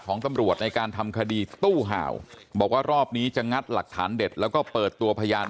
ของตำรวจในการทำคดีตู้ห่าวบอกว่ารอบนี้จะงัดหลักฐานเด็ดแล้วก็เปิดตัวพยาน